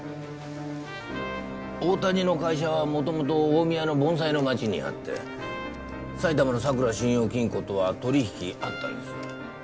大谷の会社はもともと大宮の盆栽の町にあって埼玉のさくら信用金庫とは取引あったんです。